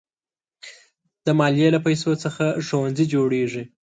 د مالیې له پیسو څخه ښوونځي جوړېږي.